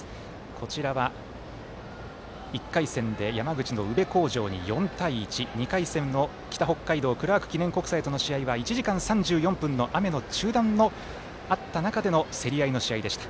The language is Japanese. こちらは、１回戦で山口、宇部鴻城に４対１２回戦の北北海道クラーク国際とは１時間３４分の雨の中断のあった中での競り合いの試合でした。